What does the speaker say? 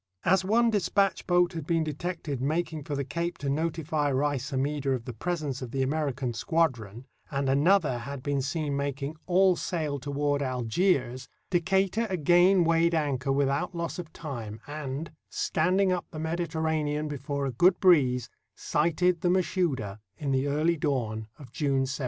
As one dis patch boat had been detected making for the cape to notify Rais Hammida of the presence of the American squadron, and another had been seen making all sail 302 THE BARBARY PIRATES toward Algiers, Decatur again weighed anchor without loss of time, and, standing up the Mediterranean before a good breeze, sighted the Mashouda in the early dawn of June 17.